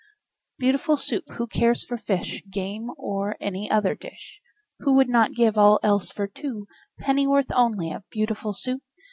Beautiful Soup! Who cares for fish, Game, or any other dish? Who would not give all else for two Pennyworth only of Beautiful Soup?